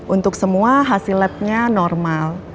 untuk semua hasil labnya normal